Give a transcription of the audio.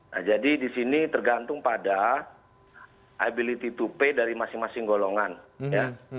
nah jadi di sini tergantung pada ability to pay dari masing masing golongan ya